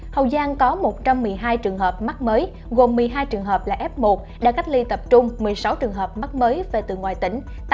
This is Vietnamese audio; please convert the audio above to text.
hậu giang có một trăm một mươi hai trường hợp mắc mới gồm một mươi hai trường hợp là f một đã cách ly tập trung một mươi sáu trường hợp mắc mới về từ ngoài tỉnh